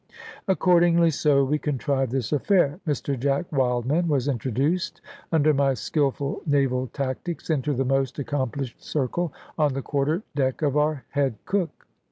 Accordingly so we contrived this affair. Mr Jack Wildman was introduced, under my skilful naval tactics, into the most accomplished circle on the quarter deck of our head cook.